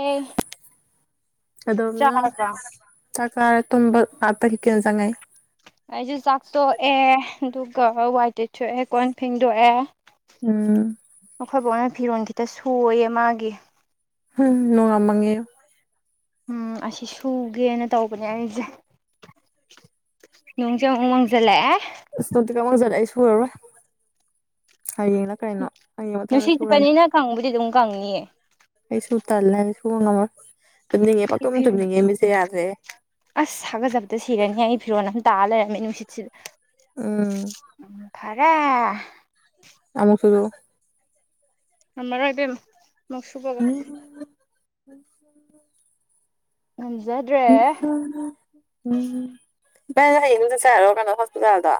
ꯑꯦ ꯑꯗꯣꯝꯅ ꯆꯥꯔꯕ ꯆꯥꯛ ꯆꯥꯔ ꯇꯨꯝꯕ ꯑꯇ ꯍꯤ ꯀꯅ ꯆꯥꯡꯉꯥꯏꯦ ꯑꯩꯁꯨ ꯆꯥꯛꯇꯣꯛꯑꯦ ꯑꯗꯨꯒ ꯋꯥꯏꯇꯩꯊꯣꯛꯑꯦ ꯀꯣꯟ ꯐꯦꯡꯗꯣꯛꯑꯦ ꯎꯝ ꯑꯩꯈꯣꯏ ꯐꯥꯎꯅ ꯐꯤꯔꯣꯟꯜ ꯈꯤꯇ ꯁꯨꯌꯦ ꯃꯥꯒꯤ ꯎꯝ ꯅꯣꯡꯌꯥꯝ ꯃꯪꯏ ꯎꯝ ꯑꯁꯤ ꯁꯨꯒꯦꯅ ꯇꯧꯕꯅꯦ ꯑꯩꯁꯦ ꯅꯣꯡꯆ ꯃꯪꯖꯂ ꯀꯃꯛ ꯥꯏꯁꯨꯔꯕ ꯍꯌꯦꯡꯅ ꯀꯩꯅꯣ ꯍꯌꯦꯡ ꯃꯊꯪꯗ ꯅꯨꯡꯁꯤꯠ ꯁꯨꯔꯅꯤ ꯁꯤꯠꯄꯅꯤꯅ ꯀꯪꯕꯨꯗꯤ ꯑꯗꯨꯝ ꯀꯪꯅꯤꯌꯦ ꯑꯩꯁꯨ ꯇꯜꯂꯦ ꯄꯨꯡꯅꯝꯕꯔ ꯐꯤꯔꯣ ꯑꯁ ꯁꯥꯒꯖꯕꯗ ꯁꯤꯔꯅꯤ ꯍꯥꯏ ꯏ ꯐꯤꯔꯣꯅ ꯇꯥꯂꯦꯔ ꯃꯦꯟꯁꯤ ꯎꯝ ꯐꯔꯦ ꯑꯃ ꯃꯛ ꯁꯗ ꯑꯝꯕꯔꯗꯅ ꯅꯛꯁꯨꯕꯕ ꯃꯁ ꯉꯝꯖꯗ꯭ꯔꯦ ꯎ ꯎꯝ ꯔ ꯍꯌꯦꯡ ꯆꯠ ꯆꯔꯣ ꯀꯩꯅꯣ ꯍꯣꯁꯄꯤꯇꯥꯜꯗꯣ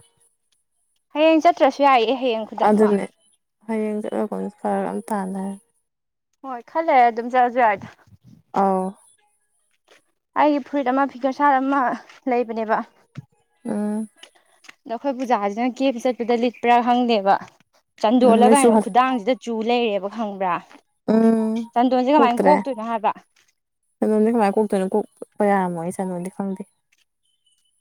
ꯍꯌꯦꯡ ꯆꯠꯇ꯭ꯔꯁꯨ ꯌꯥꯏꯌꯦ ꯍꯌꯦꯡ ꯈꯨꯗꯛꯃꯛ ꯑꯗꯨꯅꯦ ꯍꯌꯦꯡ ꯆꯠꯂꯒ ꯐꯔ ꯌꯥꯝ ꯇꯥꯟꯅꯔꯦ ꯍꯣꯏ ꯈꯜꯂꯦ ꯑꯗꯨꯝ ꯆꯠꯑꯁꯦ ꯍꯥꯏꯏꯗ ꯑ ꯑꯩꯒꯤ ꯐꯨꯔꯤꯠ ꯑꯃ ꯐꯤꯒꯔ ꯁꯥꯔꯠ ꯑꯃ ꯂꯩꯕꯅꯦꯕ ꯎꯝ ꯑꯗ ꯅꯈꯣꯏ ꯄꯨꯖꯥꯁꯤꯅ ꯀꯦꯞ ꯆꯠꯄꯗ ꯂꯤꯠꯄ꯭ꯔꯥ ꯈꯪꯗꯦꯕ ꯎꯝ ꯅꯣꯏ ꯆꯟꯗꯣꯜꯂꯒꯅ ꯁꯨꯍꯜ ꯈꯨꯗꯥꯡꯁꯤꯗ ꯆꯨ ꯂꯩꯔꯦꯕ ꯈꯪꯕ꯭ꯔꯥ ꯎꯝ ꯆꯟꯗꯣꯟꯁꯦ ꯀꯃꯥꯏꯅ ꯀꯇ꯭ꯔꯦ ꯀꯣꯛꯇꯣꯏꯅꯣ ꯍꯥꯏꯕ ꯅ ꯃꯥꯏꯇꯅ ꯀ ꯀꯌꯥꯃꯣ ꯑꯩ ꯆꯅꯣꯗꯤ ꯈꯪꯗꯦ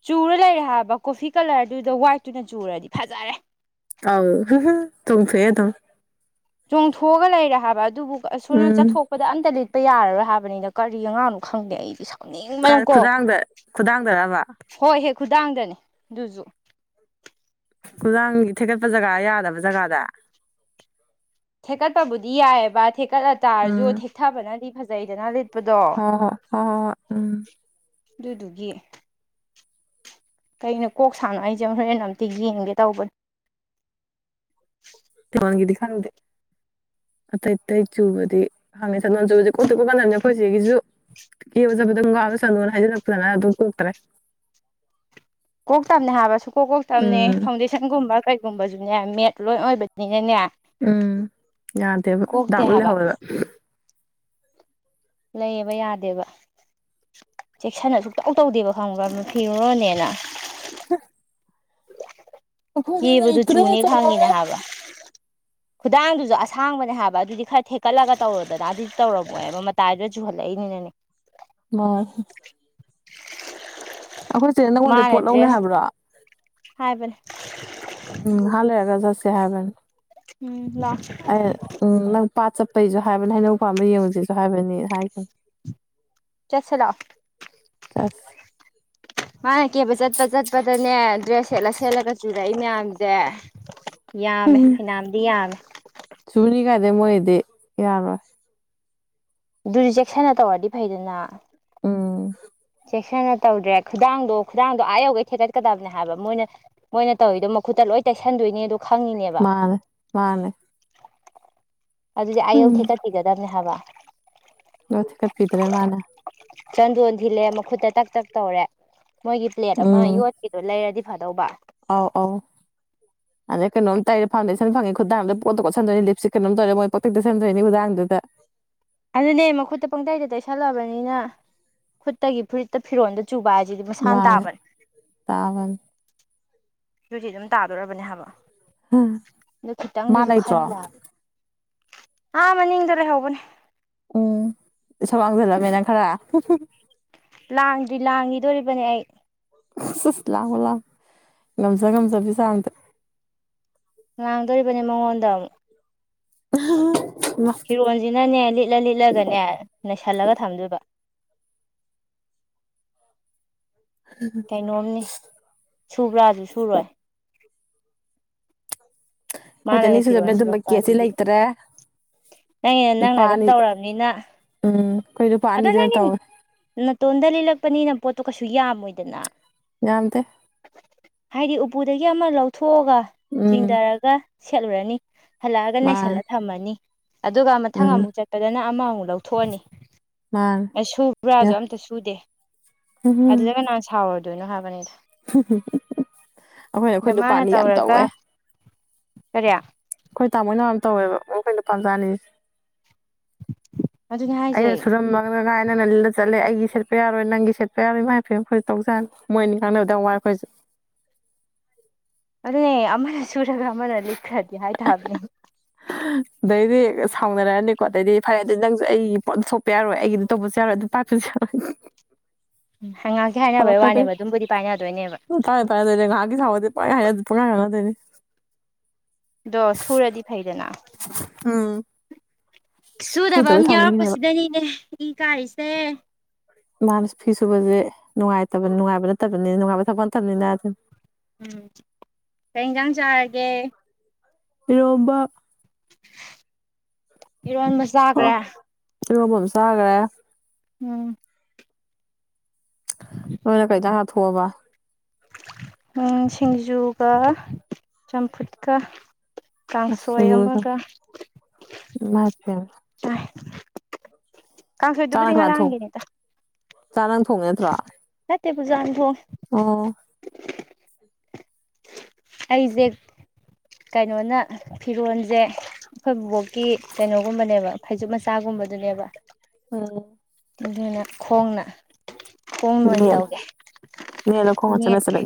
ꯆꯨꯔ ꯂꯩꯔꯦ ꯍꯥꯏꯕ ꯀꯣꯐꯤ ꯀꯂꯔꯗꯨꯗ ꯋꯥ꯭ꯋꯥꯏꯠꯇꯨꯅ ꯆꯨꯔꯗꯤ ꯐꯖꯔꯦ ꯑꯥꯎ ꯍ ꯍ ꯇꯣꯡꯁꯨꯗꯝ ꯆꯣꯡꯊꯣꯛꯑꯒ ꯂꯩꯔꯦ ꯍꯥꯏꯕ ꯑꯗꯨꯕꯨ ꯑꯁꯣꯅ ꯎꯝ ꯆꯠꯊꯣꯛꯄꯗ ꯑꯝꯇꯗꯤ ꯄꯄ ꯌꯥꯔꯣꯏ ꯍꯥꯏꯕꯅꯤꯅ ꯀꯔꯤ ꯑꯉꯥꯡꯅꯣ ꯈꯪꯗꯦ ꯑꯩꯗꯤ ꯁ ꯅꯤꯡ ꯀꯥꯏ ꯃꯅꯝꯀꯣ ꯈꯨꯗꯥꯡꯗ ꯈꯨꯗꯥꯡꯗꯔꯕ ꯍꯣꯏ ꯍꯦꯛ ꯈꯨꯗꯥꯡꯗꯅꯤ ꯑꯗꯨꯁꯨ ꯊꯦꯒꯠꯄ ꯖꯒꯥ ꯌꯥꯗꯕ ꯖꯒꯥꯗ ꯊꯦꯛꯀꯠꯄꯕꯨꯗꯤ ꯌꯥꯏꯑꯕ ꯊꯦꯛꯀꯠꯂ ꯇꯥꯔꯁꯨ ꯊꯦꯛꯊꯕꯅꯗꯤ ꯐꯖꯩꯗꯅ ꯂꯩꯇ ꯍ ꯍꯣ ꯍ ꯍ ꯎꯝ ꯑꯗꯨꯗꯨꯒꯤ ꯀꯩꯅꯣ ꯀꯣꯛ ꯁꯥꯡꯅꯣ ꯑꯩꯁꯦ ꯍꯣꯔꯦꯟ ꯑꯝꯇ ꯌꯦꯡꯒꯦ ꯇꯧꯕꯅꯤ ꯇꯃꯥꯟꯒꯤꯗꯤ ꯈꯪꯗꯦ ꯑꯇꯩ ꯑꯇꯩ ꯆꯨꯕꯗꯤ ꯍꯪꯉꯤ ꯁꯥ ꯅꯣꯟ ꯆꯨꯕꯁꯦ ꯀꯣꯛꯇꯣꯛꯄ ꯀꯥꯟꯗꯅꯦ ꯑꯩꯈꯣꯏ ꯁꯤꯒꯤꯁꯨ ꯀ ꯋꯥ ꯁꯕꯗꯪꯋꯥꯁꯅ ꯍꯩ ꯂꯥꯛꯗꯅ ꯑꯗꯨ ꯑꯗꯨ ꯍꯇꯥꯔꯦ ꯀꯣꯛꯇꯝꯅꯦ ꯍꯥꯏꯕꯁꯨ ꯀꯣꯛꯀꯣꯛ ꯇꯝꯅꯦ ꯎꯝ ꯐꯥꯎꯟꯗꯦꯁꯟꯒꯨꯝꯕ ꯀꯩ ꯒꯨꯝꯕꯁꯨꯅꯦ ꯃꯦꯠ ꯂꯣꯏ ꯑꯣꯏꯕꯅꯤꯅꯅꯦ ꯎꯝ ꯌꯥꯗꯕ ꯀꯣꯛꯇꯦ ꯗꯥꯛ ꯂ ꯍꯥꯏꯕ ꯍꯕ ꯂꯩꯕ ꯌꯥꯗꯦꯕ ꯆꯦꯛꯁꯤꯟꯅ ꯁꯨꯛꯇꯧ ꯇꯧꯗꯦꯕ ꯈꯪꯕ꯭ꯔꯅ ꯐꯤꯔꯨꯔꯣꯅꯦꯅ [unintelligible] ꯑ ꯀꯦꯕꯗꯨ ꯏꯇ ꯆꯨꯅꯤ ꯆ ꯈꯪꯉꯤꯅꯦ ꯃꯥꯉ ꯍꯥꯏꯕ ꯈꯨꯗꯥꯡꯗꯨꯁꯨ ꯑꯁꯥꯡꯕꯅꯦ ꯍꯥꯏꯕ ꯑꯗꯨꯗꯤ ꯈꯔ ꯊꯦꯛꯀꯠꯂꯒ ꯇꯧꯔꯨꯗꯅ ꯑꯗꯨꯗꯤ ꯇꯧꯔꯝꯃꯣꯏꯅꯦꯕ ꯃꯇꯥꯏꯗꯨꯗ ꯆꯨꯍꯜꯂꯛꯏꯅꯤꯅꯦ [unintelligible] ꯍ [unintelligible] ꯑꯩꯈꯣꯏꯁꯦ ꯅꯪꯉꯣꯟꯗꯩ ꯃꯥꯅ ꯄꯣꯠ ꯂꯧꯅꯤꯩ ꯗ꯭ꯔꯦꯁ ꯍꯥꯏꯕ꯭ꯔꯣ ꯍꯥꯏꯕꯅꯦ ꯎꯝ ꯍꯜꯂꯑꯒ ꯆꯁꯤꯦ ꯍꯥꯏꯕꯅꯤ ꯎꯝ ꯂꯥꯛꯑꯣ ꯎꯝꯪ ꯄꯥꯠ ꯆꯠꯄꯩꯁꯨ ꯍꯥꯏꯕꯅꯤ ꯍꯩꯅꯧ ꯄꯥꯝꯕ ꯌꯦꯡꯕꯁꯤꯁꯨ ꯍꯥꯏꯕꯅꯤ ꯍꯥꯏꯈꯤꯅꯤ ꯆꯠꯁꯦ ꯂꯥꯛꯑꯣ ꯆꯥꯁ ꯃꯥꯅ ꯀꯦꯕ ꯆꯠꯄ ꯆꯠꯄꯗꯅꯦ ꯗ꯭ꯔꯦꯁ ꯁꯦꯠꯂ ꯁꯦꯠꯂꯒ ꯆꯨꯔꯛꯏ ꯃꯌꯥꯝꯁꯦ ꯌꯥꯝꯃꯦ ꯎꯝ ꯐꯩꯅꯥꯝꯗꯤ ꯌꯥꯝꯃꯦ ꯀ ꯀꯗꯦ ꯃꯣꯏꯗꯤ ꯌꯥꯔꯣꯏ ꯑꯗꯨ ꯔꯤꯖꯦꯛꯁꯟꯅ ꯇꯧꯔꯗꯤ ꯐꯩꯗꯅ ꯑꯣꯝ ꯆꯦꯛꯁꯤꯟꯅ ꯇꯧꯗ꯭ꯔꯦ ꯈꯨꯗꯥꯡꯗꯣ ꯈꯨꯗꯥꯡꯗꯣ ꯑꯥ ꯌꯧꯒꯩ ꯊꯦꯒꯠꯀꯗꯕꯅꯦ ꯍꯥꯏꯕ ꯃꯣꯏꯅ ꯃꯣꯏꯅ ꯇꯧꯔꯤꯗꯣ ꯃꯈꯨꯠꯇ ꯂꯣꯏ ꯇꯩꯁꯟꯗꯣꯏꯅꯦꯗꯣ ꯈꯪꯉꯤꯅꯦꯕ ꯃꯥꯅꯦ ꯃꯥꯅꯦ ꯑꯗꯨꯗꯤ ꯑꯌꯨ ꯊꯤꯀꯠꯄꯤꯒꯗꯕꯅꯦ ꯍꯥꯏꯕ ꯂꯣꯁꯤ ꯀꯠꯄꯤꯗ꯭ꯔꯦ ꯃꯥꯅ ꯆꯟꯗꯣꯟ ꯊꯤꯜꯂꯦ ꯃꯈꯨꯠꯇ ꯇꯛ ꯇꯛ ꯇꯧꯔꯦ ꯃꯣꯏꯒꯤ ꯄ꯭ꯂꯦꯠ ꯑꯃ ꯌꯣꯠꯈꯤꯗꯣ ꯂꯩꯔꯗꯤ ꯐꯗꯧꯕ ꯑꯥꯎ ꯑꯥꯎ ꯑꯗ ꯀꯩꯅꯣꯝ ꯇꯥꯏꯔ ꯐꯥꯎꯟꯦꯁꯟ ꯐꯪꯉ ꯈꯨꯗꯥꯡꯝ ꯄꯣꯣꯟꯗꯣꯏꯅꯤ ꯂꯤꯞꯁꯤ ꯀꯩꯅꯣꯝ ꯇꯧꯔ ꯃꯣꯏ ꯄꯣꯛꯇ ꯁꯗꯣꯏꯅꯤꯥꯡꯗꯣ ꯑꯗꯨꯗ ꯑꯩꯅ ꯈꯨꯠꯇꯒꯤ ꯐꯨꯔꯤꯠꯇ ꯐꯤꯔꯣꯟꯗ ꯆꯨꯕꯥꯖꯤꯗꯤ ꯃꯁꯥꯟ ꯃꯥꯅꯦ ꯇꯥꯕꯟ ꯇꯥꯕꯅꯤ ꯑꯗꯨꯗꯤ ꯑꯗꯨꯝ ꯇꯥꯗꯣꯔꯕꯅꯦ ꯍꯥꯏꯕ ꯑꯗꯨ ꯃꯥ ꯈꯤꯇꯪꯗꯁꯨ ꯂꯩꯇ꯭ꯔꯣ ꯈꯟꯕꯕ ꯑ ꯃꯅꯤꯗꯔꯦ ꯍꯕꯅꯦ ꯎꯝ ꯁꯥꯡꯖꯂꯃꯦꯅ ꯈꯔ ꯂꯥꯡꯗ꯭ꯔꯤ ꯂꯥꯡꯈꯤꯗꯣꯔꯤꯕꯅꯦ ꯑꯩ ꯆ ꯂ ꯂꯥꯡ ꯉꯝꯖ ꯉꯝꯖꯕꯤꯁꯥꯝꯇ ꯉꯥꯡꯗꯣꯔꯤꯕꯅꯤ ꯃꯉꯣꯟꯗ ꯑꯃꯨꯛ ꯑ ꯐꯤꯔꯣꯟꯁꯤꯅꯅꯦ ꯂꯤꯠꯂ ꯂꯤꯠꯂꯒꯅꯦ ꯅꯩꯁꯜꯂꯒ ꯊꯝꯗꯣꯏꯕ ꯀꯩꯅꯣꯝꯅꯤ ꯁꯨꯕ꯭ꯔꯥ ꯑꯗꯨ ꯁꯨꯔꯣꯏ ꯑꯩꯈꯣꯏꯗꯤ ꯃꯥꯅꯒ ꯑꯅꯤ ꯁꯨꯖꯕꯅꯦ ꯑꯗꯨꯝꯕ ꯄꯤꯔꯛꯑꯁꯤꯂꯛꯄ ꯀꯦꯁꯇꯤ ꯑꯗꯨꯗꯤ ꯂꯩꯇ꯭ꯔꯦ ꯅꯪꯒꯤ ꯅꯪꯅ ꯅꯨꯄꯥ ꯑꯗꯨꯝ ꯑꯅꯤ ꯇꯧꯔꯛꯑꯕꯅꯤꯅ ꯎꯝ ꯑꯩꯈꯣꯏ ꯅꯨꯄꯥ ꯑꯗꯣ ꯑꯅꯤꯗꯨꯅ ꯅꯪꯒꯤ ꯇꯧꯋꯦ ꯅꯥꯇꯣꯟꯗ ꯂꯤꯠꯂꯛꯄꯅꯤꯅ ꯄꯣꯠꯇꯣ ꯀꯩꯁꯨ ꯌꯥꯝꯃꯣꯏꯗꯅ ꯌꯥꯝꯝꯗ ꯍꯥꯏꯗꯤ ꯎꯄꯨꯗꯒꯤ ꯑꯃ ꯂꯧꯊꯣꯛꯑꯒ ꯎꯝ ꯆꯤꯡꯊꯔꯒ ꯁꯦꯠꯂꯨꯔꯅꯤ ꯍꯜꯂꯛꯑꯒ ꯅꯩꯁꯜꯂ ꯃꯥꯅꯦ ꯊꯝꯃꯅꯤ ꯑꯗꯨꯒ ꯃꯊꯪ ꯎꯝ ꯑꯃꯨꯛ ꯆꯠꯄꯗꯅ ꯑꯃꯃꯨꯛ ꯂꯧꯊꯣꯛꯑꯅꯤ ꯃꯥꯅꯦ ꯑ ꯁꯨ꯭ꯔꯥꯁꯨ ꯑꯝꯇ ꯁꯨꯗꯦ ꯑꯗꯨꯗ ꯅꯍꯥꯟ ꯁꯥꯎꯔꯗꯣꯏꯅꯣ ꯍꯥꯏꯕꯅꯤꯗ ꯑꯩꯈꯣꯏꯅ ꯑꯗ ꯑꯩꯈꯣꯏ ꯃꯥꯅ ꯅꯨꯄꯥꯅꯤ ꯌꯥꯝ ꯇꯧꯋꯦ ꯁꯔꯌꯥ ꯑꯩꯈꯣꯏ ꯇꯥꯃꯣꯏ ꯝ ꯇꯧꯋꯦꯕ ꯃꯈꯣꯏꯅ ꯄꯥꯝꯖꯥꯅꯤꯁꯦ ꯑꯗꯨꯅꯦ ꯍꯥꯏꯁꯦ ꯑꯩꯅ ꯁꯨꯔꯝ ꯃꯅ ꯀꯅ ꯅꯪꯅ ꯂꯤꯗ ꯆꯠꯂꯦ ꯑꯩꯒꯤ ꯁꯦꯠꯄ ꯌꯥꯔꯣꯏ ꯅꯪꯒꯤ ꯁꯦꯠꯄ ꯌꯥꯔꯣꯏ ꯃꯥꯥꯏꯅ ꯐꯤ ꯑꯩꯈꯣꯏꯁꯨ ꯇꯧꯖꯥꯅꯤ ꯃꯣꯏꯅꯤ ꯉꯥꯡꯅꯕꯗ ꯋꯥꯏ ꯑꯩꯈꯣꯏꯁꯨ [inaudible] ꯑꯗꯨꯅꯦ ꯑꯃꯅ ꯁꯨꯔꯒ ꯑꯃꯅ ꯂꯤꯠꯈ꯭ꯔꯗꯤ ꯍꯥꯏꯇꯥꯕꯅꯦ ꯑꯗꯩꯗꯤ ꯁꯥꯎꯅꯔꯅꯤꯀꯣ ꯑꯗꯩꯗꯤ ꯐꯔꯦ ꯑꯗꯨꯩ ꯅꯪꯁꯨ ꯑꯩꯒꯤ ꯄꯣꯠ ꯁꯣꯛꯄ ꯌꯥꯔꯣꯏ ꯑꯩꯒꯤ ꯑꯗꯨ ꯇꯧꯕꯁꯨ ꯌꯥꯔꯣꯏ ꯑꯗꯨ ꯄ [unintelligible] [unintelligible] ꯉꯥꯡꯁꯦ ꯍꯥꯏꯅꯕꯩ ꯐꯔꯛ ꯀꯗꯤ ꯋꯥꯅꯦꯕ ꯑꯗꯨꯝꯕꯨꯗꯤ ꯄꯥꯏꯅꯗꯣꯏꯅꯦꯕ ꯇꯥꯏꯦ ꯇꯔ ꯂꯩ ꯉꯥꯒꯤ ꯊꯕꯗ ꯄꯒꯥꯏ ꯑꯗꯨ ꯄꯀꯥꯅ ꯇꯅꯤ ꯑꯗꯣ ꯁꯨꯔꯗꯤ ꯐꯩꯗꯅ ꯎꯝ ꯁꯨꯗꯕ ꯑꯃꯝ ꯁꯨꯗꯕꯩ ꯁꯥꯎꯅꯤꯡꯉꯤꯅꯦꯕ ꯌꯥꯎꯔꯛꯄꯁꯤꯗꯅꯤꯅꯦ ꯏ ꯀꯥꯔꯤꯁꯦ ꯃꯥꯅ ꯐꯤ ꯁꯨꯕꯁꯦ ꯅꯨꯡꯉꯥꯏꯇꯕ ꯅꯨꯡꯉꯥꯏꯕ ꯅꯠꯇꯕꯅꯤ ꯅꯨꯡꯉꯥꯏꯕ ꯊꯛ ꯅꯠꯇꯕꯅꯤꯅ ꯑꯗꯨꯝ ꯎꯝ ꯀꯔꯤ ꯏꯟꯖꯥꯡ ꯆꯥꯔꯒꯦ ꯏꯔꯣꯝꯕ ꯏꯔꯣꯟꯕ ꯆꯥꯈ꯭ꯔꯦ ꯏ ꯍꯝꯁ ꯍꯥꯏꯒ꯭ꯔꯦ ꯎꯝ ꯊꯣꯕ ꯁꯤꯡꯖꯨꯒ ꯆꯝꯐꯨꯠꯀ ꯑꯁ ꯀꯥꯡꯁꯣꯏ ꯁꯤꯡꯖꯨꯒ ꯑꯃꯒ ꯏꯃꯥꯏ ꯄꯦꯝꯃ ꯆꯥꯅꯛ ꯀꯥꯡꯁꯣꯏꯗꯨꯕꯨꯗꯤ ꯀꯅꯥ ꯊꯣꯡ ꯉꯔꯥꯡꯒꯤꯅꯤꯗ ꯆꯥꯅꯥ ꯊꯣꯡꯉꯦ ꯅꯠꯇ꯭ꯔꯣ ꯀꯇꯦ ꯄꯨꯖꯥ ꯑꯕ ꯑꯣ ꯑꯩꯁꯦ ꯀꯩꯅꯣꯅ ꯐꯤꯔꯣꯜꯁꯦ ꯑꯩꯈꯣꯏ ꯕꯣꯛꯀꯤ ꯀꯩꯅꯣꯒꯨꯝꯕꯅꯦꯕ ꯐꯩꯖꯨꯞ ꯃꯆꯥꯒꯨꯝꯕꯗꯨꯅꯦꯕ ꯑꯣ ꯑꯗꯨꯅ ꯈꯣꯡꯅ ꯍꯣꯡꯅ ꯑꯣꯏꯅ ꯅꯦꯠꯂꯣ ꯇꯧꯒꯦ ꯅꯦꯠꯂꯣ ꯈꯣꯡꯅ ꯆꯕꯦꯠ ꯃꯦꯠꯀꯦ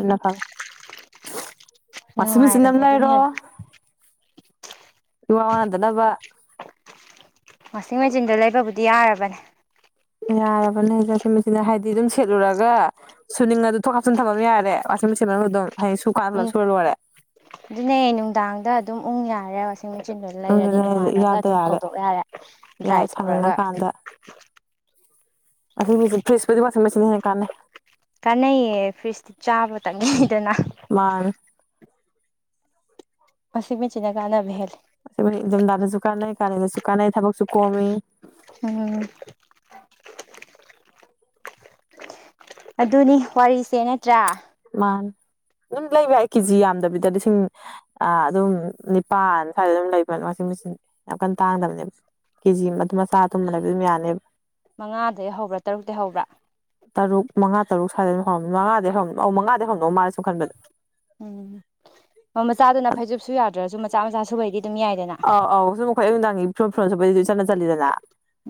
ꯄꯁꯨꯃꯤ ꯆꯅꯝ ꯂꯩꯥꯏꯔꯣ ꯍꯦꯟꯅ ꯋꯥ ꯋꯥꯗꯅꯕ ꯋꯥꯁꯤꯡ ꯃꯦꯆꯤꯟꯗ ꯂꯩꯕꯕꯨꯗꯤ ꯌꯥꯔꯕꯅꯦ ꯌꯥꯔꯕꯅꯦ ꯆꯠꯁꯦ ꯃꯆꯅ ꯍꯥꯏꯗꯤ ꯑꯗꯨꯝ ꯁꯦꯠꯂꯨꯔꯒ ꯁꯨꯅꯤꯡ ꯑꯗꯨ ꯊꯣ ꯍꯥꯞꯆꯤꯟ ꯊꯝꯐꯝ ꯑꯃ ꯌꯥꯔꯦ ꯁꯨ ꯀꯥꯟꯂ ꯎꯝ ꯁ ꯋꯥꯔꯦ ꯑꯗꯨꯅꯦ ꯅꯨꯡꯗꯥꯡꯗ ꯑꯗꯨꯝ ꯎꯪ ꯌꯥꯔꯦꯁ ꯏꯁꯤꯡ ꯃꯆꯤꯟꯗꯨꯅ ꯂꯩꯔꯗꯤ ꯑꯗꯨꯅ ꯅꯣꯡꯉꯥꯂꯒ ꯏꯌꯥꯗ ꯑꯗꯨꯝ ꯍꯧꯗꯣꯛ ꯌꯥꯔꯦ ꯗ꯭ꯔꯥꯏ ꯇꯧꯔꯒ ꯑꯁꯤ ꯃ ꯐꯦꯁꯄꯗꯤ ꯄ ꯃꯦꯆꯅꯦ ꯀꯥꯟꯅ ꯀꯥꯟꯅꯩꯌꯦ ꯐ꯭ꯔꯤꯁꯇꯤ ꯆꯥꯕ ꯇꯛꯉꯗꯅ ꯃꯥꯅꯦ ꯃꯁꯤꯃꯤꯆꯤꯅꯒꯥꯟꯅꯃꯦꯍꯦꯜ ꯖꯝꯗꯥꯗꯁꯨ ꯀꯥꯟꯅꯩ ꯀꯥꯗꯁꯨ ꯀꯥꯟꯅꯩ ꯊꯕꯛꯁꯨ ꯀꯣꯝꯃꯤ ꯎꯝ ꯑꯗꯨꯅꯤ ꯋꯥꯔꯤꯁꯦ ꯅꯠꯇ꯭ꯔꯥ ꯃꯥꯥꯟ ꯑꯗꯨꯝ ꯂꯩꯕ ꯑꯩ ꯀꯦꯖꯤ ꯌꯥꯝꯗꯕꯤꯗ ꯂꯤꯁꯤꯡ ꯑꯗꯨꯝ ꯅꯤꯄꯥꯥꯟ ꯁ꯭ꯋꯥꯏꯗ ꯑꯗꯨꯝ ꯂꯩꯕꯁꯤꯡ ꯌꯥꯝ ꯀꯟꯅ ꯇꯥꯡꯗꯕꯅꯦꯕ ꯀꯦꯖꯤ ꯑꯗꯨ ꯃꯆꯥ ꯑꯗꯨꯨꯝꯕ ꯂꯩꯕ ꯑꯗꯨꯝ ꯌꯥꯅꯦꯕ ꯃꯉꯥꯗꯒꯤ ꯍꯧꯕ꯭ꯔꯥ ꯇꯔꯨꯛꯇ ꯍꯧꯕ꯭ꯔꯥ ꯇꯔꯨꯛ ꯃꯉꯥ ꯇꯔꯨꯛ ꯁꯗꯅ ꯃꯉꯥꯩ ꯃꯉꯥꯩ ꯍꯧꯧ ꯃꯥ ꯎꯝ ꯑꯣ ꯃꯆꯥꯗꯨꯅ ꯐꯩꯖꯨꯞꯁꯨ ꯌꯥꯗ꯭ꯔꯁꯨ ꯃꯆꯥ ꯃꯆꯥ ꯁꯨꯕꯩꯗꯤ ꯑꯗꯨꯝ ꯌꯥꯏꯗꯅ ꯑꯧ ꯑꯧ ꯁꯨꯝ ꯑꯩꯈꯣꯏ ꯑꯌꯨ ꯅꯨꯡꯗꯥꯡꯒꯤ ꯐꯤꯣꯝ ꯐꯤꯣꯟ ꯁꯠꯄꯩꯗꯤ ꯑꯗꯨ ꯆꯠꯅ ꯆꯠꯗꯅ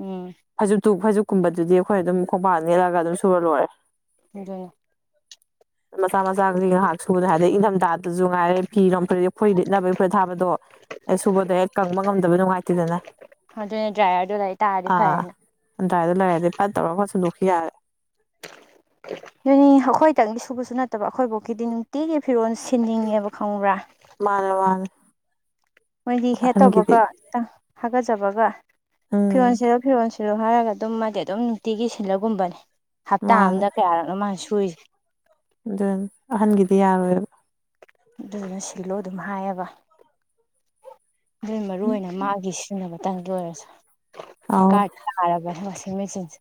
ꯎꯝ ꯐꯩꯨꯞꯨ ꯐꯩꯖ ꯀꯨꯝꯕꯗꯨꯗꯤ ꯑꯩꯈꯣꯏ ꯑꯗꯨꯝ ꯈꯣꯡꯄ ꯅꯦꯜꯂꯒ ꯑꯗꯨꯝ ꯁꯨꯔ ꯂꯣꯏꯔꯦ ꯑꯗꯨꯅꯤ ꯃꯁꯥ ꯃꯁꯥꯒ ꯍꯥ ꯁꯨꯕꯅ ꯍꯥꯏꯔꯗꯤ ꯏꯊꯝꯊꯥꯗꯁꯨ ꯉꯥꯏꯔꯦ ꯐꯤꯔꯣꯝ ꯐ꯭ꯔꯗꯤ ꯑꯩꯈꯣꯏ ꯂꯤꯠꯅꯕꯒꯤ ꯐꯣꯏ ꯊꯥꯕꯗꯣ ꯑꯦ ꯁꯨꯕꯗꯣ ꯍꯦꯛ ꯀꯪꯕ ꯉꯝꯗꯕ ꯅꯨꯡꯉꯥꯏꯇꯦꯗꯅ ꯑꯗꯨꯅꯦ ꯗ꯭ꯔꯥꯏꯌꯔꯗꯨ ꯂ ꯇꯥꯔꯗꯤ ꯐꯔꯦꯅ ꯑꯗꯨꯟꯏꯗ ꯂꯩꯔꯗꯤ ꯐꯠ ꯇꯧꯔꯒ ꯈꯠꯁꯨꯗꯣꯛꯈꯤ ꯌꯥꯔꯦ ꯑꯗꯨꯅꯤ ꯑꯩꯈꯣꯏꯇꯪꯗꯤ ꯁꯨꯕꯁꯨ ꯅꯠꯇꯕ ꯑꯩꯈꯣꯏꯐꯥꯎꯀꯤꯗꯤ ꯅꯨꯡꯇꯤꯒꯤ ꯐꯤꯔꯣꯜ ꯁꯤꯟꯅꯤꯡꯉꯦꯕ ꯈꯪꯕ꯭ꯔꯥ ꯃꯥꯅꯦ ꯃꯥꯅꯦ ꯃꯣꯏꯗꯤ ꯍꯦ ꯑꯍꯟꯒꯤꯗꯤ ꯇꯧꯕꯒ ꯈꯤꯇꯪ ꯍꯥꯒꯠꯆꯕꯒ ꯐꯤꯔꯣꯜ ꯎꯝ ꯁꯤꯔꯣ ꯐꯤꯔꯣꯜꯁꯤꯣ ꯁꯤꯜꯂꯣ ꯍꯥꯏꯔꯒ ꯑꯗꯨꯝ ꯃꯥꯗꯤ ꯑꯗꯨꯝ ꯅꯨꯡꯇꯤꯒꯤ ꯁꯤꯜꯂꯒꯨꯝꯕꯅꯦ ꯍꯞꯇꯥ ꯑꯝꯗ ꯀꯌꯥꯔꯛꯅꯣ ꯃꯥꯜꯅꯁꯤ ꯍꯨꯏ ꯑꯗꯨ ꯑꯍꯟꯒꯤꯗꯤ ꯌꯥꯔꯣꯏꯕ ꯑꯗꯨꯗꯨꯅ ꯁꯤꯜꯂꯣ ꯑꯗꯨꯝ ꯍꯥꯏꯌꯦꯕ ꯑꯗꯨ ꯃꯔꯨꯏ ꯑꯣꯏꯅ ꯃꯥꯒꯤ ꯁꯤꯖꯤꯟꯅꯕꯇꯪꯒꯤ ꯑꯣꯏꯔꯁꯨ ꯑꯗꯨ ꯑꯧ ꯀꯥꯔꯠ ꯇꯥꯔꯕꯅꯦ ꯃꯁꯤ ꯊꯃꯦ ꯆꯁ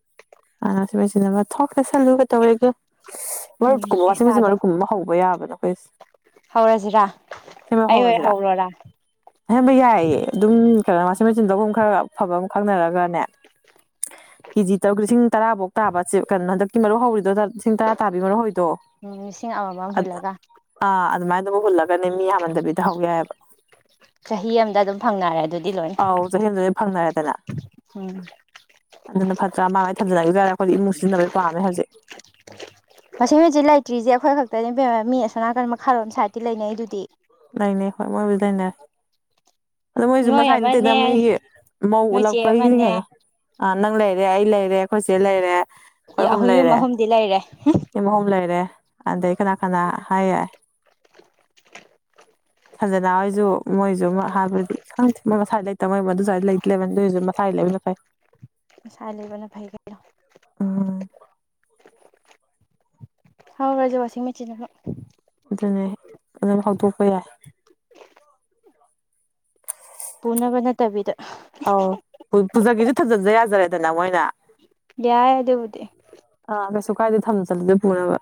ꯑꯅꯁꯤ ꯄꯥꯏꯁꯤ ꯊ ꯑꯩꯈꯣꯏ ꯁꯜꯂꯨꯒ ꯇꯧꯋꯦꯒ ꯎꯝ ꯃꯔꯨꯞ ꯀꯨꯝꯕ ꯋꯥꯆꯤꯡ ꯃꯦꯆꯤꯟ ꯃꯔꯨꯞ ꯀꯨꯝꯕ ꯑꯃ ꯍꯧꯕ ꯌꯥꯕꯅꯣ ꯑꯩꯈꯣꯏ ꯍ ꯁꯦꯝꯕ ꯍꯧꯥꯎꯔꯁꯤꯗ ꯁꯦꯝꯕ ꯌꯥꯏꯌꯦ ꯑꯗꯨꯝ ꯈ ꯋꯥꯁꯤꯡ ꯃꯦꯆꯤꯟꯗꯒꯨꯝ ꯈꯔ ꯑꯐꯕ ꯑꯃ ꯈꯪꯅꯔꯒꯅꯦ ꯀꯦꯖꯤ ꯇꯔꯨꯛ ꯂꯤꯁꯤꯡ ꯇꯔꯥꯐꯧ ꯇꯥꯕꯦ ꯀꯩꯅꯣ ꯍꯟꯛꯀꯤꯨ ꯍꯧꯔꯤꯗꯣ ꯂꯤꯁꯤꯡ ꯇꯔꯥ ꯇꯥꯕꯤ ꯃꯔꯨꯣ ꯎꯝ ꯂꯤꯁꯤꯡ ꯑꯃꯃꯝ ꯍꯨꯜꯂꯒ ꯑ ꯑꯗꯨ ꯃꯥ ꯐꯂ ꯅꯦ ꯃꯤ ꯌꯥꯝꯃꯟꯗꯕꯤꯗ ꯍꯧ ꯌꯥꯦꯏꯕ ꯆꯍꯤ ꯑꯃꯗ ꯑꯗꯨꯝ ꯐꯪꯅꯔꯦ ꯑꯗꯨꯗꯤ ꯂꯣꯏꯅ ꯑꯥꯎ ꯆꯍꯤꯗꯨ ꯐꯪꯅꯔꯦꯗꯅ ꯎꯝ ꯑꯗꯨꯅ ꯐꯠꯇ꯭ꯔꯥ ꯃꯥꯡꯉꯥꯏ ꯊꯝꯖꯅ ꯑꯩꯈꯣꯏ ꯏꯃꯨꯡ ꯁꯤꯖꯤꯟꯅꯕꯩ ꯄꯥꯝꯃꯦ ꯍꯧꯖꯤꯛ ꯃꯁꯤ ꯍꯧꯖꯤꯛ ꯂꯩꯇ꯭ꯔꯤꯁꯦ ꯑꯩꯈꯣꯏ ꯈꯛꯇꯅꯦ ꯄ ꯃꯤ ꯑꯁꯣ ꯅꯥꯀꯟ ꯃꯈꯥꯔꯣꯝ ꯁꯥꯏꯠꯇꯤ ꯂꯩꯅꯩ ꯑꯗꯨꯗꯤ ꯅꯦ ꯍ ꯃꯣꯏ ꯗꯥꯏꯅꯦ ꯑꯗ ꯃꯣꯏꯁꯨ ꯅꯣꯏ ꯃꯁꯥꯏ ꯅꯠꯇꯦꯗ ꯑꯃꯅꯦ ꯃꯣꯏꯒꯤ ꯃꯧ ꯅꯣꯏ ꯆꯦ ꯎꯠꯂꯛꯄꯒꯤꯅꯤ ꯀꯩꯅꯣ ꯑꯃꯅꯦ ꯑ ꯅꯪ ꯂꯩꯔꯦ ꯑꯩ ꯂꯩꯔꯦ ꯑꯩꯣꯏꯆꯦ ꯂꯩꯔꯦ ꯑꯩꯈꯣꯏ ꯑꯍꯨꯝ ꯌꯨꯝ ꯂꯩꯔꯦ ꯑꯍꯨꯝꯗꯤ ꯂꯩꯔꯦ ꯃꯤ ꯑꯍꯨꯝ ꯂꯩꯔꯦ ꯑꯗꯩ ꯀꯅꯥ ꯀꯅꯥ ꯍꯥꯏꯌꯦ ꯁꯟꯖꯅꯥ ꯍꯣꯏꯁꯨ ꯃꯣꯏꯁꯨ ꯍꯥꯏꯕꯗꯤ ꯏꯪ ꯊ ꯃꯁꯥꯏ ꯂꯩꯇꯕ ꯃꯣꯏ ꯑꯗꯨꯁꯨ ꯂꯩꯇ ꯂꯩꯕꯁꯨ ꯃꯁꯥꯏ ꯂꯩꯕꯅ ꯄꯥꯏ ꯉꯁꯥ ꯂꯩꯕꯅ ꯐꯩ ꯀꯩꯅꯣ ꯎꯝ ꯍꯥꯎ ꯔꯖꯦ ꯋꯥꯁꯤ ꯃꯦꯁꯤꯤꯟ ꯑꯗꯨꯅꯦ ꯑꯗꯨꯝ ꯍꯧꯗꯣꯛꯄ ꯌꯥꯏ ꯄ ꯄꯨꯅꯕ ꯅ ꯇꯕꯤꯗ ꯄꯨꯖꯒꯤꯁꯨꯦ ꯊꯥꯖꯟꯖ ꯌꯥꯖꯔꯦꯗꯅ ꯃꯣꯏꯅ ꯌꯥꯏꯗꯦꯕꯨꯗꯤꯦ ꯑ ꯀꯥꯏꯗ ꯊꯝ ꯆꯠꯂꯁꯦ ꯄꯨꯅꯕ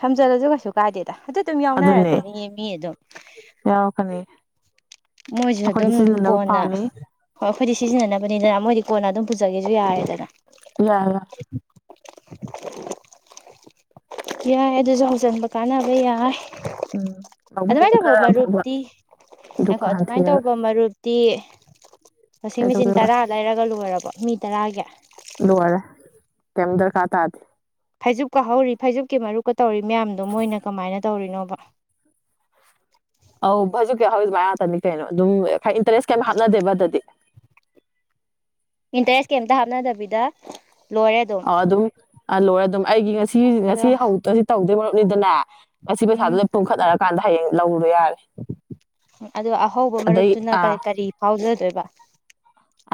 ꯊꯝꯖꯤꯜꯂꯁꯨ ꯀꯩꯁꯨ ꯀꯥꯏꯗꯦꯗ ꯑꯗꯨ ꯑꯗꯨꯝ ꯑꯗꯨꯅꯦ ꯌꯥꯎꯅꯔꯛꯀꯅꯤꯌꯦ ꯃꯤ ꯑꯗꯨꯝ ꯌꯥꯎꯔꯛꯀꯅꯤ ꯃꯣꯏꯁꯨ ꯑꯩꯈꯣꯏꯗꯤ ꯑꯗꯨꯝ ꯁꯤꯖꯤꯟꯅꯅꯕ ꯀꯣꯟꯅ ꯄꯥꯝꯃꯤ ꯍꯣꯏ ꯑꯩꯈꯣꯏꯗꯤ ꯁꯤꯖꯤꯟꯅꯅꯕꯅꯤꯅ ꯃꯣꯏꯗꯤ ꯀꯣꯟꯅ ꯑꯗꯨꯝ ꯄꯨꯖꯒꯦꯁꯨ ꯌꯥꯔꯦꯗꯅ ꯋꯥ ꯋꯥ ꯌꯥꯏ ꯑꯗꯨꯁꯨ ꯍꯧꯖꯤꯟꯕ ꯀꯥꯟꯅꯕ ꯌꯥꯏ ꯎꯝ ꯂꯧꯕꯨꯛ ꯑꯗꯨꯃꯥꯏꯅ ꯇꯧꯕ ꯈꯔ ꯑꯐꯕ ꯃꯔꯨꯞꯇꯤ ꯍꯥꯏꯈꯣ ꯗꯨꯀꯥꯟ ꯑꯗꯨꯃꯥꯏꯅ ꯊꯤꯔꯒ ꯇꯧꯕ ꯃꯔꯨꯞ ꯇꯤ ꯋꯥꯁꯤꯡ ꯃꯦꯆꯤꯟ ꯀꯩꯗꯧꯗꯣꯏꯕ ꯇꯔꯥ ꯂꯩꯔꯒ ꯂꯣꯏꯔꯕ ꯃꯤ ꯇꯔꯥꯒꯤ ꯀꯗꯔ ꯈꯥ ꯇꯗ ꯐꯩꯖꯨꯞꯀꯥ ꯍꯧꯔꯤ ꯐꯩꯖꯨꯞꯀꯤ ꯃꯔꯨꯞꯀ ꯇꯧꯔꯤ ꯃꯌꯥꯝꯗꯣ ꯃꯣꯏꯅ ꯀꯃꯥꯏꯅ ꯇꯧꯔꯤꯅꯣꯕ ꯑꯧ ꯍꯧꯖꯤꯛꯀꯤ ꯍꯧꯖꯤꯛ ꯃꯥꯏ ꯉꯥꯛꯇꯅꯤ ꯀꯩꯅꯣ ꯑꯗꯨꯝ ꯈꯔ ꯏꯟꯇꯔꯦꯁ ꯀꯩꯝ ꯍꯥꯞꯅꯗꯦꯕ ꯑꯗꯨꯗꯤ [inaudible] ꯏꯟꯇꯔꯦꯁ ꯀꯩꯝꯇ ꯍꯥꯞꯅꯗꯕꯤꯗ ꯂꯣꯏꯔꯦ ꯑꯗꯨꯝ ꯂꯣꯏꯔꯦ ꯑꯗꯨꯝ ꯑꯩꯒꯤ ꯉꯁꯤ ꯉꯁꯤ ꯑꯗꯣ ꯍꯧ ꯇꯧꯗꯣꯏ ꯃꯔꯨꯞꯅꯤꯗꯅꯦ ꯉꯁꯤ ꯄꯩꯁꯥꯗꯨꯗ ꯄꯨꯨꯝꯈꯠꯅꯔ ꯀꯥꯟꯥꯏꯌꯦ ꯂꯧ ꯑꯗ ꯑꯍꯧꯕ ꯑꯗꯩ ꯃꯔꯨꯞꯇꯨꯅ ꯑꯥ ꯀꯔꯤ ꯐꯥꯎꯖꯗꯣꯏꯕ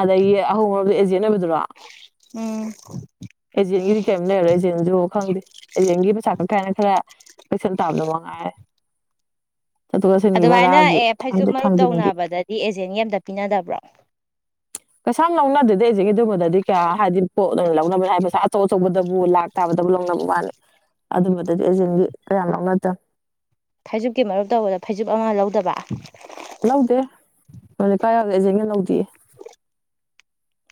ꯑꯗꯒꯤ ꯑꯍꯣꯡ ꯃꯔꯣꯗ ꯑꯦꯖꯦꯟ ꯑꯣꯏꯕꯗꯨꯔꯣ ꯎꯝ ꯑꯦꯖꯦꯟꯒꯤꯗꯤ ꯀꯩꯝ ꯂꯩꯔꯦ ꯑꯦꯖꯦꯟꯁꯨ ꯈꯪꯗꯦ ꯑꯦꯖꯦꯟꯒꯤ ꯄꯩꯁꯥ ꯀꯪꯀꯥꯏꯅ ꯈꯔ ꯄꯩꯁꯟ ꯇꯥꯕꯗꯣ ꯃꯉꯥꯏꯔꯦ ꯆꯠꯊꯣꯛ ꯆꯠꯁꯤꯟꯒꯤ ꯑꯗꯨꯃꯥꯏꯅ ꯚꯔꯥꯒꯤ ꯑꯦ ꯐꯩꯖꯨꯞ ꯊꯥꯡꯗꯣꯛ ꯃꯔꯨꯞ ꯊꯥꯡꯖꯤꯟꯒꯤ ꯇꯧꯅꯕꯗꯗꯤ ꯑꯦꯖꯦꯟꯒ ꯑꯝꯇ ꯄꯤꯅꯗꯕ꯭ꯔꯣ ꯀꯩꯁꯥ ꯌꯥꯝ ꯂꯧꯅꯗꯦ ꯑꯩꯁꯦ ꯀꯩꯗꯨꯝꯕꯗꯗꯤ ꯀꯌꯥ ꯍꯥꯏꯗꯤ ꯄꯣꯠ ꯂꯧꯅꯕꯅ ꯍꯥꯏ ꯄꯩꯁ ꯑꯆꯧ ꯑꯆꯧꯕ ꯗꯕꯨ ꯂꯥꯛ ꯇꯥꯕꯗꯕꯨ ꯂꯧꯅꯕ ꯋꯥꯅꯤ ꯑꯗꯨꯝꯕꯗꯗꯤ ꯑꯦꯖꯦꯟꯒꯤ ꯀꯌꯥꯝ ꯂꯧꯅꯗꯕ ꯐꯩꯖꯨꯞꯀꯤ ꯃꯔꯨꯞ ꯇꯧꯕꯗ ꯐꯩꯖꯨꯞ ꯑꯃ ꯂꯧꯗꯕ ꯂꯧꯗꯦ ꯃ ꯂꯩꯀꯥ ꯌꯥꯗ ꯑꯦꯖꯦꯟꯅ ꯂꯧꯗꯦ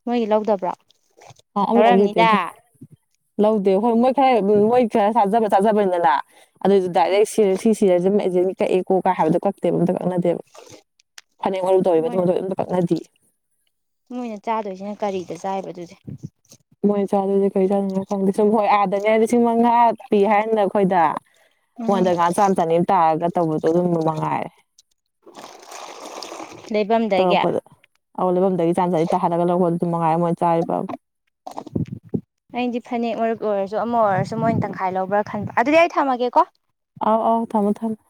ꯃꯣꯏꯒꯤ ꯂꯧꯗꯕ꯭ꯔꯣ ꯂꯧꯈꯤꯗꯦ ꯂꯧꯔꯑꯝꯅꯤꯗ ꯑꯗꯨꯝ ꯂꯧꯗꯦ ꯍꯣꯏ ꯃꯣꯏ ꯈꯔ ꯃꯣꯏ ꯈꯔ ꯊꯥꯖꯕ ꯇꯥꯖꯕꯅꯤꯅ ꯑꯗꯨꯏꯁꯨ ꯗꯥꯏꯔꯦꯛ ꯁꯤꯔ ꯁꯤ ꯁꯤꯔ ꯀꯛꯑꯦ ꯀꯣ ꯀꯥꯏ ꯍꯥꯏꯕꯗꯣ ꯀꯛꯇꯦꯕ ꯑꯝꯇ ꯀꯛꯅꯗꯦꯕ ꯐꯅꯦꯛ ꯃꯔꯨ ꯇꯧꯋꯤ ꯃꯇꯨꯡ ꯃꯣꯏꯅ ꯌꯝꯇ ꯀꯛꯅꯗꯦ ꯃꯣꯏꯅ ꯆꯥꯗꯣꯏꯁꯤꯅ ꯀꯔꯤꯗ ꯆꯥꯏꯕ ꯑꯗꯨꯗꯤ ꯃꯣꯏ ꯆꯥꯗꯣꯏꯗꯤꯦ ꯀꯔꯤ ꯆꯥꯗꯣꯏꯅꯣ ꯈꯪꯗꯦ ꯁꯨꯝ ꯍꯣꯏ ꯑꯥꯗꯅꯤ ꯍꯥꯏꯔꯗꯤ ꯁꯤ ꯉꯥꯄꯤꯤ ꯍꯥꯏꯅ ꯑꯩꯈꯣꯏꯗ ꯎꯝ ꯃꯉꯣꯟꯗꯒ ꯆꯥꯝ ꯆꯅꯤ ꯇꯥꯔꯒ ꯇꯧꯕꯗꯣ ꯑꯗꯨꯝ ꯃꯉꯥꯏꯔꯦ ꯂꯩꯐꯝꯗꯒꯤ ꯇꯧꯔꯛꯄꯗ ꯑꯜ ꯂꯩꯕꯗꯒꯤ ꯇꯥꯟꯖꯂꯤ ꯇꯥꯍꯜꯂꯒ ꯂꯧ ꯁ ꯃꯉꯥꯏ ꯃꯣꯏ ꯆꯥꯕꯕ ꯑꯩꯗꯤ ꯐꯅꯦꯛ ꯃꯔꯨꯞ ꯑꯣꯏꯔꯁꯨ ꯑꯃ ꯑꯣꯏꯔꯁꯨ ꯃꯣꯏꯅ ꯇꯪꯈꯥꯏ ꯂꯧꯕ꯭ꯔꯥ ꯈꯟꯕ꯭ꯔꯥ ꯑꯗꯨꯗꯤ ꯑꯩ ꯊꯝꯃꯒꯦꯀꯣ ꯑꯥꯎ ꯑꯥꯎ ꯊꯝꯃꯣ ꯊꯝꯃ